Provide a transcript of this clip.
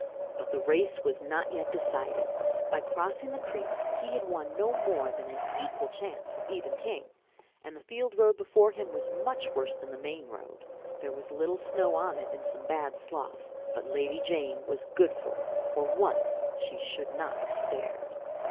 But the race was not yet decided. By crossing the creek he had won no more than an equal chance with Eben King. And the field road before him was much worse than the main road. There was little snow on it and some bad sloughs. But Lady Jane was good for it. For once she should not be spared.